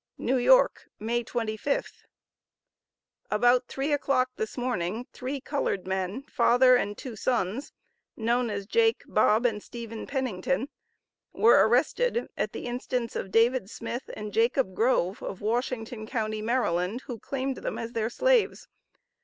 NEW YORK, May 25th. About three o'clock this morning, three colored men, father and two sons, known as Jake, Bob, and Stephen Pennington, were arrested at the instance of David Smith and Jacob Grove, of Washington Co., Md., who claimed them as their slaves.